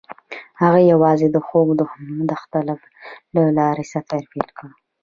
هغوی یوځای د خوږ دښته له لارې سفر پیل کړ.